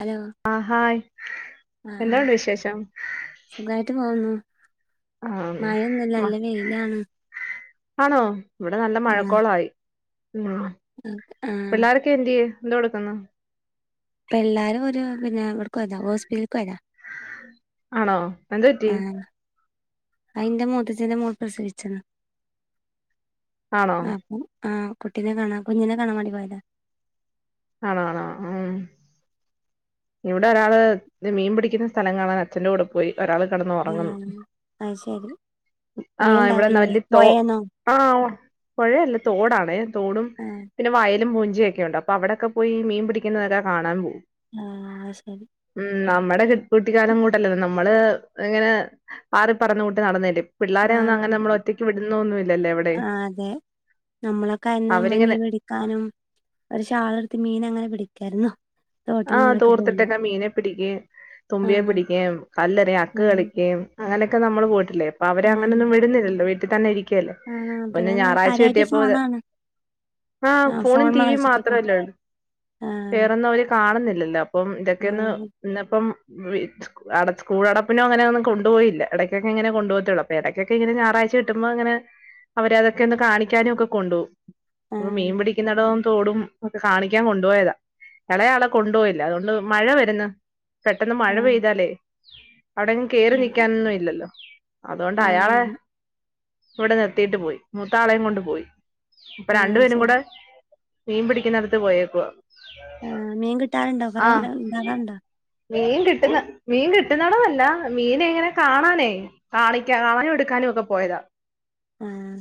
Hello ആ hi ആഹ് എന്താണ്ട് വിശേഷം? ആ മഴൊന്നുമല്ല മ അല്ല വെയിലാണ്. ആണോ? ഇവിടെ നല്ല ആഹ് മഴക്കോളായി. ഉ ആഹ് പിള്ളോരൊക്കെ എന്തിയെ? എന്തോടെക്കന്ന്? ഇപ്പ എല്ലാരും ഒരു പിന്നെഇവ്ടൊക്കോയതാ ഹോസ്പിറ്റല ആണോ എന്ത് പറ്റി? ആഹ് അയിന്റെ മൂത്തച്ഛന്റെ മോൾ പ്രസവിച്ണ്‌. ആണോ [unintelligible] ആഹ് കുട്ടിനെ കാണാം കുഞ്ഞിനെ കാണാ [unintelligible] ആണോ? ആണോ? ഉമ് ഇവിടെ ഒരാള് ഇത് മീൻ പിടിക്കുന്ന സ്ഥലം കാണാൻ അച്ഛന്റെ കൂടെ പോയി ഒരാൾ കിടന്ന് ഉറങ്ങുന്നു ആഹ് അത് ശരി നീ ആഹ്‌ ഇവിടെ ന ഉണ്ടാവലില്ലേ വല്യ തോ പോയേന്നോ ആഹ്‌ പുഴയല്ല തോടാണേ തോടും ആഹ് പിന്നെ വയലും [unintelligible] ഴയൊക്കെ ഉണ്ട് അപ്പോ അവിടൊക്കെ പോയി ഈ മീൻ പിടിക്കുന്നതൊക്കെ കാണാൻ പോകും ആഹ്‌ അത് ശരി നമ്മടെ കുട്ടിക്കാലം [unintelligible] നമ്മള് ഇങ്ങനെ പാറി പറന്ന കൂട്ട് നടന്നതല്ലേ ആഹ്‌ എവിടെയും ആ അതെ നമ്മളൊക്കെ ആയിരുന്നെ നമ്മള് അവരിങ്ങനെ മീൻ പിടിക്കാനും ഒരു ഷാളെടുത്ത് മീൻ എങ്ങനെ പിടിക് കെടന്നോ ആഹ് തോർത്തിട്ടൊക്കെ മീനെ പിടിക്കേം തുമ്പിയെ ആഹ് പിടിക്കേം കല്ലെറിയേം അക്ക് ആഹ് കളിക്കേം അങ്ങനെക്കെ നമ്മള് പോയിട്ടില്ലേ ഇപ്പ അവരെ ആഹ് അങ്ങനൊന്നും വിടുന്നില്ലല്ലോ വിട് ട്ടി തന്നെരി ക്കയല്ലേ ആഹ് പിന്നെ നമ്മ ഞായറാഴ്ച കാര്യായിട്ട് കിട്ടിയപ്പോത് ഫോണാണ് കാണുന്നില്ലല്ലോ അപ്പം ഇതൊക്കെയൊന്ന് ഇന്ന് ഇപ്പോ [unintelligible] അട സ്‌കൂ സ്കൂടപ്പിനോ അങ്ങനൊന്നും കൊണ്ടുപോയില്ല ഇടക്കൊക്കെ ഇങ്ങനെ കൊണ്ടു പോകത്തേയുള്ളു അപ്പ ഇടക്കൊക്കെങ്ങനെ ഞായറാഴ്ച കിട്ടുമ്പോ ഇങ്ങനെ അവരെ അതൊക്കെ ഒന്ന് കാണിക്കാനും ഒക്കെ കൊണ്ടുപോകും ഈ മീൻ പിടിക്കുന്നടോം തോടും ഒക്കെ കാണിക്കാൻ കൊണ്ടുപോയതാ ഇളയാളെ കൊണ്ടുപോയില്ല അതുകൊണ്ട് മഴ വരന്ന് പെട്ടെന്ന് മഴ പെയ്താലേ അവിടെങ്ങും കേറിനിൽക്കാനൊന്നും ഇല്ലല്ലോ അതൊണ്ട് അതെ അയാളെ ഇവിടെ നിർത്തിയിട്ട് പോയി മൂത്താളേം കൊണ്ട് പോയി ഇപ്പൊ ആ രണ്ടു പേരും ശരി കൂടെ മീൻ പിടിക്കുന്ന അടുത്ത് പോയേക്കുവ ആഹ് ആ മീൻ കിട്ടാറുണ്ടോ കൊറെണ്ണം ഉണ്ടാകാറുണ്ടോ മീൻ കിട്ടുന്ന മീൻ കിട്ടുന്നെടമല്ല മീനെ ഇങ്ങനെ കാണാനേ കാണിക്ക കാണാനും എടുക്കാനും ഒക്കെ പോയതാ ആഹ്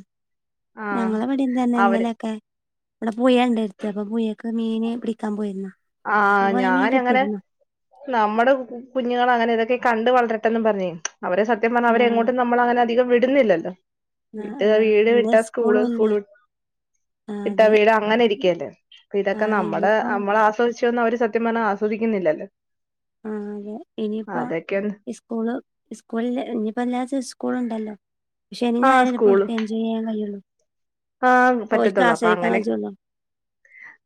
ആഹ് ഞങ്ങളും ഇവിടെ ഇതന്നെ അവര് ഇന്നലെക്കെ ഇവിടെ പുഴെണ്ടടുത്ത് അപ്പൊ പുഴെക്ക് മീനെ പിടിക്കാൻ പോയിരുന്ന ആ ഞാനങ്ങനെ നമ്മുടെ കുഞ്ഞുങ്ങള അങ്ങനെ ഇതൊക്കെ കണ്ട് വളരട്ടെന്നും പറഞ്ഞേ അവരെ സത്യം ആ പറഞ്ഞാ അവരെ എങ്ങോട്ടും നമ്മളങ്ങനെ അധികം വി ടുന്നില്ലല്ലോ ആ വീട്ട ആ വീട് വിട്ട ഇന്ന് സ്കൂള് സ്കൂളും ഇല്ല സ്കൂള് ആ വിട്ടാ അതെ വീട് അങ്ങനെ ഇരിക്കല്ലേ അപ്പൊ ആ ഇതൊക്കെ നമ്മടെ ഇനിയിപ്പോ നമ്മൾ ആസ്വതി [unintelligible] അവര് സത്യ പറഞ്ഞാ ആസ്വദിക്കുന്നില്ലല്ലേ ആ അതെ ഇനിയിപ്പോ ഒന്ന് സ്കൂള് സ്കൂള് ഇനിയിപ്പോ എല്ലാ ദിവസവും സ്കൂളുണ്ടല്ലോ പക്ഷെ ഇനി ശനി ആ ഞായർ ക്കെ ഓർക്ക് എൻജോയ് ചെയ്യാൻ കഴിയുള്ളൂ ആ് ഓൽക്ക് പറ്റത്തുള്ളൂ അപ്പൊ ആസ്വദിക്കാൻ അങ്ങനെ കഴിയുള്ളൂ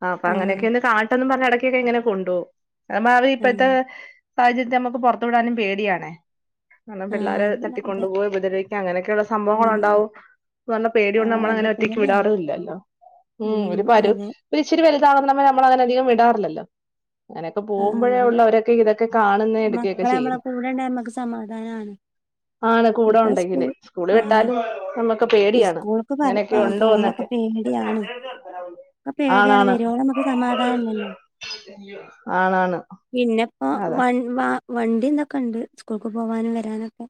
ആ പ്പൊ അങ്ങനെയൊക്കെ ഒന്ന് കാട്ട [unintelligible] പറഞ്ഞടക്കെ ങ്ങനെ കൊണ്ടോവും എമ്മാവി ആ ഇപ്പത്തെ സാഹചര്യത്തി നമുക്ക് പുറത്തു വിടാനും പേടിയണേ കാരണം പിള്ളേര് ആഹ് അതെ തട്ടിക്കൊണ്ടുപോയി ഉപദ്രവി അങ്ങനെ ക്കെയുള്ള ആഹ് സംഭവങ്ങളുണ്ടാവും നല്ല പേടിയു ആഹ് അതെ നമ്മളങ്ങനെ റ്റക്ക് പേടിയാണ് വിടാറുല്ലല്ലോ ഉം ഒരു പരു രിച്ചിരി വലു- [unintelligible] നമ്മള നമ്മള ങ്ങനെ അധികം വിടാറില്ലല്ലോ അങ്ങനെയൊക്കെ ആഹ് പോഉമ്പഴേ അതെ ഉള്ളവരൊക്കെ ഇതൊക്കെ കാണുന്ന എടുക്കയൊക്കെ മക്കളെ നമ്മളെ ചെയ്യുന്നു കൂടെണ്ടായ നമ്മക്ക് സമാധാനാണ് ആണ് കൂടെ ഇപ്പൊ സ്കൂൾ ഉണ്ടെങ്കില് സ്കൂള് ആഹ് വിട്ടാലും നമ്മുക്ക് പേടിയാണ് അങ്ങനെ ആ പോകുമ്പളൊക്കെ പേടിയാണ് ക്കെ പേടിയാണ് ആണാണ് വരുവോളം മ്മക്ക് സമാധാനല്ലല്ലോ ആണാണ് പിന്നെപ്പോ അതെ വൺ വാ വണ്ടി ഇതെക്കെ ണ്ട് സ്കൂൾക്ക് പോകാനും വരാ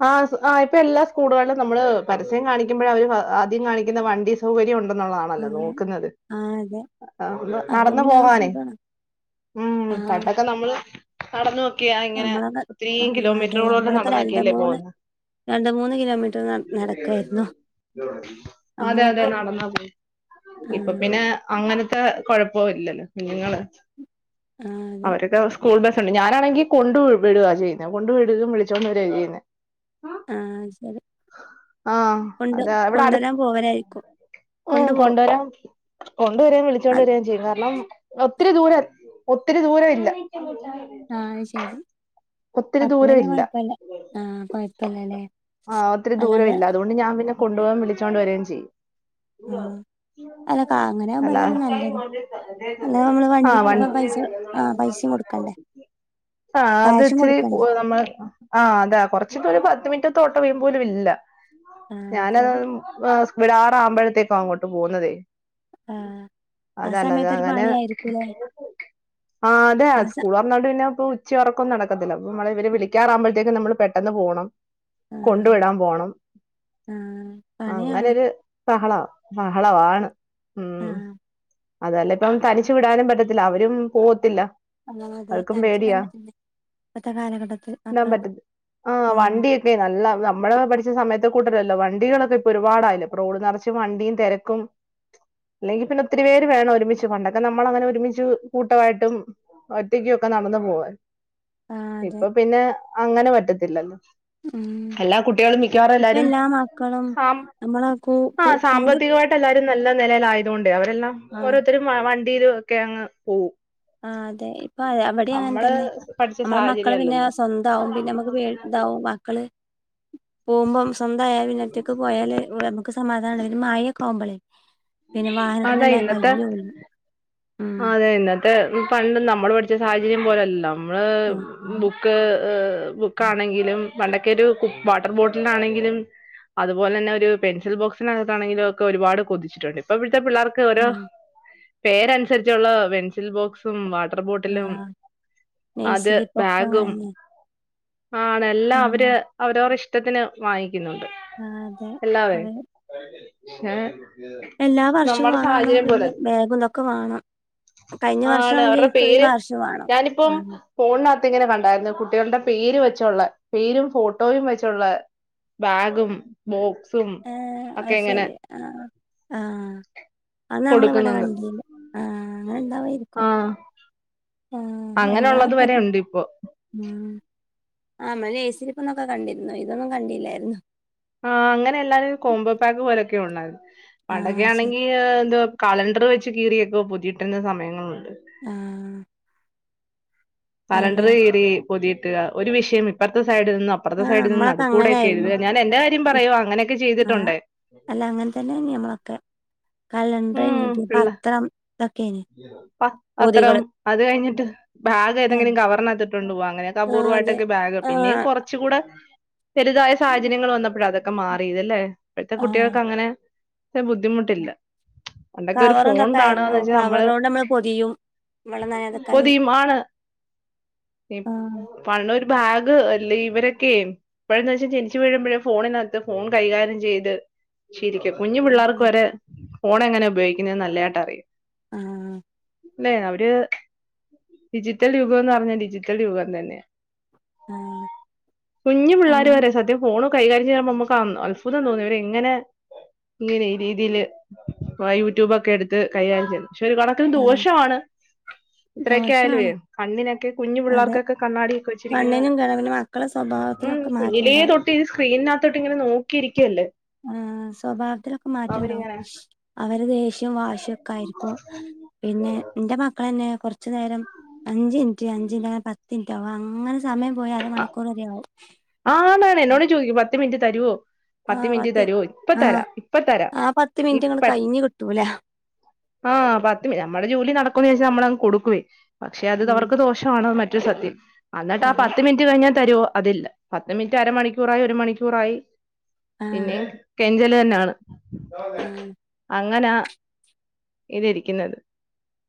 ആ ആ ഇപ്പൊ എല്ലാ സ്കൂളുകളിലും നമ്മള് പരസ്യം കാണിക്കുമ്പഴ അവർഅ ആദ്യം കാണിക്കുന്ന വണ്ടി സൗകര്യോണ്ട് ട്ടുന്നതാണല്ലോ ആഹ് നോക്കുന്നത് ആഹ് അതെ അ അപ്പം നടന്ന പിന്നെ അത് പോകാനെ സുഖാണ് ഉം ആഹ് പണ്ടൊക്കെ നമ്മൾ നടന്ന ക്യാ ഇങ്ങനെ നമ്മളൊക്കെ ഒത്തിരീം ആഹ് അതെ കിലോമീറ്ററുകളോളം നമ്മളൊക്കെ നടന്ന് രണ്ട് ലെ പോ മൂന്ന് രണ്ട് മൂന്ന് കിലോമീറ്റർ നട നടക്കായിരുന്നു അതെ അതെ നമ്മളൊക്കെ നടന്നപോയ് ഇപ്പ ആഹ് പിന്നെ അങ്ങനത്തെ കൊഴപ്പോ ഇല്ലല്ലോ കുഞ്ഞുങ്ങള് ആഹ് അതെ അവരൊക്കെ സ്കൂൾ ബസ് ട്ടുണ്ട് ഞാനാണെങ്കി കൊണ്ട് വി വിടുവാ ചെയ്യുന്ന കൊണ്ട് വിടുക വിളിച്ചോണ്ട് വര യ്യു ആഹ് ശരി ആ കൊണ്ട് അത ഇവിടെ അടു കൊണ്ടുവരാൻ പോവലായിരിക്കും ഉം കൊണ്ടു പോ കൊണ്ടോരാൻ കൊണ്ടുവരേം വിളിച്ചോണ്ട് വരേം ചെയ്യും കാരണം ഒത്തിരി ദൂരം ഒത്തിരി ദൂര ഇല്ല ആ അയ് ശരി അപ്പൊപിന്നെ കൊഴപ്പല്ല ആ ആ ഒത്തിരി ദൂരവില്ല അതുകൊണ്ട് ഞാൻ പിന്നെ കൊണ്ട് പോവാൻ വിളിച്ചോ ണ്ട് വരേം ചെയ്യും ആഹ് അല്ല കാ അങ്ങനെ ആകുമ്പോ അല്ല അതന്നെ നല്ലത് അല്ലാതെ നമ്മള് ആ വണ്ടിക്ക് വ ഇപ്പ പൈസ ആഹ് പൈസയും കൊടുക്കണ്ടേ ആ അത് കാശും ഇച്ചിരി കൊടുക്കണ്ടേ നമ്മൾ ആ അതെ ഒരു പത്ത് മിനിറ്റത്തെ ഓട്ടം വ്യു മ്പോലും ഇല്ല ആഹ് ഞാനത് ശരി സ് വിടറാവുമ്പഴ ദേ പ്പ അങ്ങോട്ട് പോവുന്നതേ ആഹ് ആ അതല്ലാതെ സമയത്ത് ഒരു അങ്ങനെ പണിയായിരിക്കൂല്ലേ ആ അതെ ആ സ സ്കൂൾ തൊറന്നാണ്ട് പിന്നെപ്പൊ ഉച്ചയൊറക്കോം നടക്കത്തില്ല മ്മള് ഇവരെ വിളിക്കാറാവുമ്പഴത്തേക്ക് നമ്മള് പെ ട്ടെന്ന് പോണം കൊണ്ട് ആഹ് വിടാൻ പോണം ആഹ് പണിയാണ് അങ്ങനൊര് സഹള ബഹളവാണ് ആ അതല്ലേ ഇപ്പം തനിച്ചു വിടാനും പറ്റത്തില്ല അവരും പോവത്തില്ല അ അത് അവർക്കും തനിച്ച് വിടാൻ പേടിയാ പറ്റില്ല ഇപ്പത്തെ കാലഘട്ടത്തിൽ മക്കളെ ആ ഉം വണ്ടിയൊക്കെ നല്ല നമ്മള് പഠിച്ച സ സമയത്തെ കൂട്ടരല്ലോ വണ്ടികളൊക്കെ ഇപ്പൊ ഒരുപാടായില്ലെ ഇപ്പൊ റോഡ് നെറച്ച് വണ്ടിയും തെരക്കും അല്ലെങ്കി പിന്നെ ഒത്തിരി പേര് വേണം ഒരുമിച്ച് പണ്ടൊക്കെ നമ്മളങ്ങനെ ഒരുമിച്ച് കൂട്ടമായിട്ടും ഒറ്റയ്ക്കും ഒക്കെ നടന്നു പോവാരുന്നു ആഹ് അതെ ഇപ്പൊ പിന്നെ അങ്ങനെ പ റ്റത്തില്ലല്ലോ ഉം ഇപ്പ എല്ലാരും എല്ലാ മക്കളും സാം നമ്മളെ കൂ കൂ ആഹ് കൂടെ സാമ്പത്തികമായിട്ട് എല്ലാരും നല്ല നെലേലായതുകൊ അവരെല്ലാം ആഹ് ഓരോത്തരും വ വ ണ്ടീലു ഒക്കെ അങ്ങ് പോവും ആ അതെ ഇപ്പൊ അതെ അവിടെ അങ്ങനെ നമ്മള് തന്നെ പഠിച്ച നമ്മള് മക്കള് സാഹചര്യം പിന്നെ അല്ലല്ലോ സ്വന്താവും പിന്നെ മ്മുക്ക് പേ ഇതാവും മക്കള് പോവുമ്പം സ്വന്തായ പിന്നൊറ്റക്ക് പോയാല് നമുക്ക് സമാധാന [unintelligible] മഴയൊ പോവുമ്പളെ പിന്നെ അതാ വാഹനത്തില്ലല്ലെ ഇന്നത്തെ [unintelligible] അതെ ഇന്നത്തെ പണ്ട് നമ്മള് പഠിച്ച സാഹചര്യം പോലല്ലല്ലോ നമ്മള് ബുക്ക് ബുക്കാണെങ്കിലും പണ്ടൊക്കെ ഒരു വാട്ടർ ബോട്ടിലിനാണെ ങ്കിലും അതുപോലെ തന്നെ ഒരു പെൻസിൽ ബോക്സിനകത്താണെങ്കിലും ഒക്കെ ഒരുപാട് കൊതിച്ചിട്ടുണ്ട് ഇപ്പൊ പി ത്തെ പിള്ളേർക്ക് ഓരോ ഉം പേരൻ അനുസരിച്ചുള്ള പെൻസിൽ ബോക്സും വാ വാട്ടർ ബോട്ടിലും ആഹ് അത് നഴ്സറിപ്പൊക്കെ ബാഗും അങ്ങനെന്നെ ആണ് എല്ലാം അവര് ആഹ് അവരോരിഷ്ട്ടം ഇഷ്ടത്തിന് വാങ്ങി ങ്ങിക്കുന്നുണ്ട് ആഹ് അതെ എല്ലാവരും അതെ [unintelligible] എല്ലാ വർഷവും വേണം വേണം പിന്നെ ബാഗും ഇതൊക്ക വേണം ആണ് അവരുടെ പേര് വർഷം വാണം ഞാനിപ്പം ഉം ഫോൺ ത്തിങ്ങനെ കണ്ടായിരുന്നു കുട്ടികളുടെ പേര് വെച്ചുള്ള പേരും ഫോട്ടോയും വെച്ചുള്ള ബാഗും ബോക്സ് ആ അത് ശരി ആ ആ അത് നമ്മള ഇവിടെ കണ്ടില്ല ആ ആ ആഹ് അങ്ങനെ എല്ലാ ഉള്ളതു തരം വരെയുണ്ട് ഇപ്പൊ ആ മ്മള് നെയിംസ്ലിപ് ന്നൊക്കെ കണ്ടിരുന്നു ഇതൊന്നും കണ്ടില്ലായിരുന്നു ആ അങ്ങനെ എല്ലാരും ഒരു കോംബോ പാക്ക് പോലെ ക്കെ ഉള്ളായിരുന്നു പണ്ടൊക്കെ ആഹ് ശരി ആണെങ്കി ആ എന്തവാ കലണ്ടർ വെച്ച് കീറിയൊക്കെ പൊതിയിട്ടരുന്ന സമയങ്ങളുണ്ട് ആ കലണ്ടര് കീറി പൊതിയിട്ട് ഒരു വിഷയം ഇപ്പർത്തെ സൈഡിൽ നിന്നും അപ്പുറത്തെ ആഹ് സൈഡിൽ നിന്നും നമ്മളൊക്കെ നടുക്കൂടൊക്കെ അങ്ങനായിരുന്നു എഴുതുക ഞാൻ എന്റെ കാര്യം പറയുവാ അങ്ങനെയൊക്കെ ആഹ് ചെയ്തിട്ടുണ്ട് അല്ല അങ്ങനെ തന്നെയായിനി നമ്മളൊക്കെ കലണ്ടറേനി ഉം പിന്നെ പിള്ള പത്രം ഇതൊക്കേനി പ പാത്രം പൊതികള് അത് കഴിഞ്ഞിട്ട് ബാഗ് ആഹ് ഏതെങ്കിലും കവറിനകത്തിട്ട് ട്ട്കൊണ്ട് പോവാ അങ്ങനെയൊക്കെ ആഹ് അതെ അപൂവ്വമായിട്ടൊക്കെ ബാഗ് പിന്നെ ആഹ് കുറച്ചുകൂടെ വെലുതായ സാഹചര്യൾ വന്നപ്പോഴ അത് ഒക്കെ മാറിത് അല്ലെ ഇപ്പോഴത്തെ ആഹ് കുട്ടികൾക്ക് അങ്ങനെ ബുദ്ധിമുട്ടില്ല പണ്ടൊക്കെ ഒരു കവറ് ഫോൺ എന്തൊക്കെ കാണുക ആയിരുന്നു എന്ന് വെച്ചാൽ കവറോട് നമ്മള് പൊതിയും മ്മള് നനയാദിരിക്കാൻ പൊതിയും ആണ് ആ പണ്ട് ഒരു ബാഗ് ഇല്ലെ ഇവരൊക്കെ ഇപ്പോഴന്ന് വെച്ചാൽ ജനിച്ചു വീഴുമ്പോഴേ ഫോണിനകത്ത് ഫോൺ കൈകാര്യം ചെയ്ത് ഇരിക്കും കുഞ്ഞു ആഹ് പിള്ളേർക്ക് വരെ ഫോൺ എങ്ങനെ ഉപയോഗിക്കുന്നത് ന്ന്‌ നല്ലയായിട്ടറിയും ആ അല്ലേ അവര് ഡിജിറ്റൽ യുഗംന്ന് പറഞ്ഞാ ഡിജിറ്റൽ യുഗം തന്നെ ആ കുഞ്ഞു പിള്ളേർ വരെ സത്യ ഫോണ് കൈകാര്യം ചെയുമ്പോ നമുക്ക് അത്ഭുതം തോന്നി ഇവര് ഇങ്ങനെ ഇങ്ങനെ ഈ രീതിയില് അഹ് യൂട്യബ് ഒക്കെ എടുത്ത് കൈകാര്യം ചെയ്യുന്നേ പക്ഷെ ഒരു കണക്കിനന് ആഹ് ദോഷ ആണ് എത്രയൊക്കെ ആയാലുവേ ദോഷാണ് കണ്ണിനൊക്കെ കുഞ്ഞു അതെ പിള്ളേർക്കൊക്കെ കണ്ണാടിയൊക്കെ വെച്ചിരിക്കുന്നെ കണ്ണിനും കേടാ പിന്നെ മക്കളെ സ്വഭാവത്തിലൊക്കെ ഉമ് കുഞ്ഞിലേ മാറ്റണ്ടാവും തൊട്ടി സ്ക്രീനകത്തോട്ട് ഇങ്ങനെ നോക്കിയിരിക്കുവല്ലേ ആഹ് സ്വഭാവത്തിലൊക്കെ മാറ്റുണ്ടാവും അവരിങ്ങനെ അവര് ദേഷ്യവും വാശി ഒക്കെ ആയിരിക്കും പിന്നെ എന്റെ മക്കള് തന്നെ കുറച്ചു നേരം അഞ്ച് മിനിറ്റ് അഞ്ചു മിനിറ്റ് അങ്ങനെ പത്ത് മിനിറ്റ് ആക അങ്ങനെ സമയം പോയി അര മണിക്കൂർ വരെ ആവും ആണാണ് എന്നോട് ചോദിക്കും പത്ത് മിനിറ്റ് തരുവോ പത്ത് മിനിറ്റ് തരുവോ ഇപ്പ ആഹ് തരാം ഇപ്പ തരാം ആ പത്ത് മിനിറ്റ് ഇപ്പ ഇങ്ങട് കഴിഞ്ഞ് കിട്ടൂല ആഹ് പത്ത് മിനിറ്റ് നമ്മുടെ ജോലി നടക്കുമേന്ന് വെച്ച് നമ്മള് അങ്ങ് കൊടുകുവേ പക്ഷെ അതിത് ഉം അവർക്ക് ദോഷവാണ് മ രു സത്യം അന്നിട്ട് ആഹ് അതെ പത് [unintelligible] കഴിഞ്ഞാ തരുവോ അതില്ല പത്ത് മിനിറ്റ് അരമണിക്കൂറായി ഒരു മണിക്കൂറായി പിന്നെ ആഹ് കെഞ്ച ലെന്നാണ് ആഹ് അങ്ങനാ ഇത് ഇരിക്ക്ന്നത്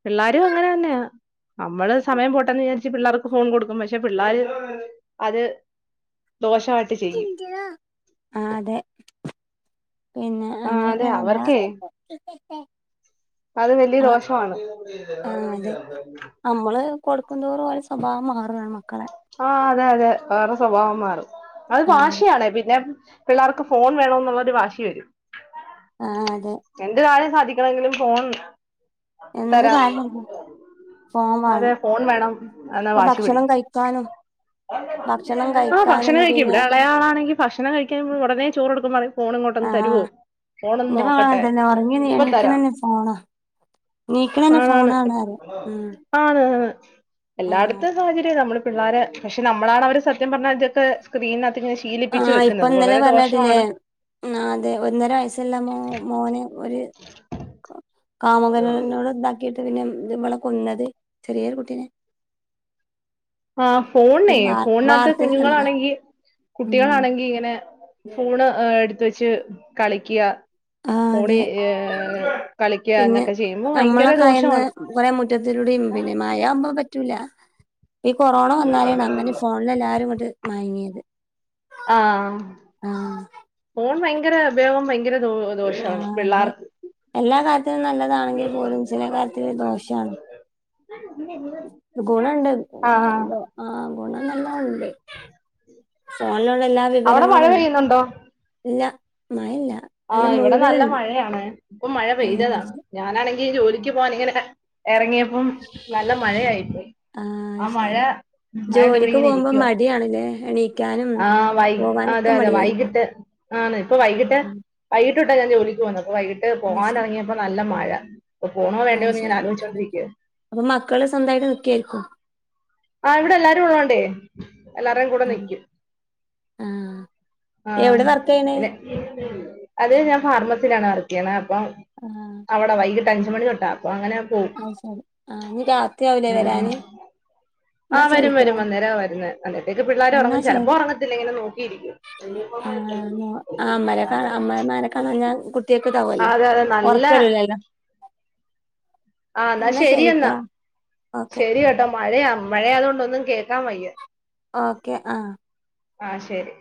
പിള്ളേരും അങ്ങനെ തന്നെയാ നമ്മള് സമയം പോട്ടെന്ന് വിചാരിച്ചു പിള്ളേർക്ക് ഫോൺ കൊടുക്കും പക്ഷെ പിള്ളാര് അത് ദോഷമായിട്ട് ചെയ്യും ആഹ് അതെ പിന്നെ ആഹ് അതെ അങ്ങനെയൊക്കെയണല്ല അവർക്കേ അത് വലിയ ദോഷമാണ് ടുക്കുന്തോറും ഓരെ സ്വഭാവ മാ ആഹ് അതെ അതെ വേറെ സ്വഭാവം മാറും അത് ഉം ഭാഷയാണ് പിന്നെ പിള്ളേർക്ക് ഫോൺ വേണം എന്നുള്ളരു വാശി വരും ആ അതെ എന്ത് കാരും ക ക്കണെങ്കിലും ഫോൺ എന്ത് തരാം കാര്യം ഫോൺ അതെ വേണം ഫോൺ വേണം എന്നാ ഇപ്പൊ ഭക്ഷണം വാശിപിടിക്ക കഴിക്കാനും ഭക്ഷണം ആഹ് കഴിക്കാനും ഭക്ഷണം കഴിക്കും പിന്നെ ഇവിടെ ഇളയാളാണെങ്കി ഭക്ഷണം കഴിക്കാൻ ഒടനെചൊ- ചോറുടുക്കമ്പറയും ഫോണ് ആ ഇങ്ങോട്ടൊന്ന് തരുവോ ഫോണൊന്ന് എന്റെ മകള് നോക്കട്ടെ അങ്ങനെ തന്നെ ഉറങ്ങി ഇപ്പ തരാം എണീക്കണന്നെ ഫോണാ എണീക്കണന്നെ ആണാണ് ഫോണാണ് പറയും ഉം ആണ് എല്ലാടത്തെ സാഹച നമ്മള് പിള്ളേരെ പക്ഷെ നമ്മളാണാവരെ സത്യം പറഞ്ഞ ഇതൊക്കെ സ്ക്രീന ആഹ് ഇപ്പൊ ഇന്നലെ പറഞ്ഞേട്ടില്ലെ ആഹ് അതെ ഒന്നര വയസ്സൊള്ള മോ മോന് ഒര് കാമുകനനോട് ഇണ്ടാക്കീട്ട്പിന്നെ ഇന്നമ്മളെ കൊന്നത് ചെറിയോരു കുട്ടീനെ ആ ഫോണ്ണേ ഒരു വാർ ഫോണിനാത്ത് വാർത്തയിൽ കണ്ടതാ കുഞ്ഞുങ്ങളാണെങ്കി ഉം കുട്ടികളാണെങ്കിങ്ങനെ ഫൂണ് എടുത്ത് വെച്ച് കളിക്ക ആഹ് അതെ കളിക്കുക പിന്നെ എന്നൊക്കെ ചെയ്യുമ്പോ ഭയങ്കര നമ്മളൊക്കെയായന്ന് ദോഷമാണ് കൊറെ മുറ്റത്തിലൂടെയും പിന്നെ മഴയമ്പൊ പറ്റൂല ഈ കൊറോണ വന്നാലേന്ന് അങ്ങനെ ഫോണിൽ എല്ലാരും ഇങ്ങട്ട് മയങ്ങിയത് ആഹ് ആഹ് ഫോൺ ഭയങ്ക- ഭങ്കര ബഹളോം ഭയങ്കര ദോ ദോഷമാണ് ആഹ് അതെ പിള്ളേർക്ക് എല്ലാ കാര്യത്തിനും നല്ലതാണെങ്കിപോലും ചിലകാര്യത്തിന് ദോഷാണ് [inaudible] ഗുണോണ്ട് ആഹ് ആഹ് ആഹ് ഗുണം നന്നൊ ഒണ്ട് ആഹ് പിന്നെലൊള്ള എല്ലാ അവിടെ മഴ വിവരങ്ങളും പെയ്യുന്നുണ്ടോ ഇല്ല മഴ ഇല്ല ആ ഇവിടെ നല്ല മഴയാണെ ഇപ്പം മഴ പെയ്തതണ് ആഹ് ഞാനാണെങ്കി- ജോലിക്ക് പോവാനിങ്ങനെ എറങ്ങിയ- ഇപ്പം നല്ല മഴയായിപ്പോയി ആഹ് മഴ മഴണ്ട് ഇവിടെ ജോലിക്ക് ഇങ്ങനെ പോകുമ്പോ ഇരിക്കുവ മടിയാണ്ല്ലേ എണീക്കാനും ആഹ് വൈ അതെ പോകാനൊക്കെ അതെ മടിയായിരിക്കും വൈകിട്ട് ആണ് ഇപ്പൊ വൈകിട്ട് വൈയ്യിട്ട്തൊട്ട ഞാൻജോലിക്ക്പോന്നത് വൈകിട്ട് പോകാനിറങ്ങിയപ്പ നല്ല മഴ ആ അത്ശരി അപ്പൊ മക്കള് സ്വന്തായിട്ട് നിക്കിയാരിക്കും ആഹ് ഇവിടെ എല്ലാരുള്ളോണ്ടേ എല്ലാരും കൂടെ നിക്കും ആഹ് ആഹ എവിടെ വർക്ക് ചെയ്യണേ പിന്നെ അതെ ഞാൻ ഫാർമസിയിലാണ് വർക്ക് ചെയ്യണേ അ ആഹ് അവിടെ വൈകിട്ട് അഞ്ച് മണി തൊട്ട അപ്പ അനെ ശരി ആഹ നീ രാത്രി ആവലേ വരാന് ആ് എന്നാ വരും ശരിട്ടോ വരും അന്നേരം വരുന്ന അന്നേത്തേക്ക് പിള്ളേർ എന്നാ ഉറങ്ങും ചെിലപ്പോ ശരി ഉറങ്ങത്തില്ല ഇങ്ങനെ നോക്കിയിരിക്കും ആഹ് ആഹ് അമ്മരെ കാ അമ്മമാരെ കാണാഞ്ഞാ കുട്ടികക്ക് ഇതാവല്ലോ അതെ അതെ നല്ല ഉറക്ക വരൂലല്ലോ ആഹ എന്നാ ശരിയെന്നാ ഓക്കെ ശരി കേട്ടോ മഴയാ മഴയയാതുകൊണ്ടൊന്നും കേൾക്കാ വയ്യ ഓക്കെ ആ ആ ശരി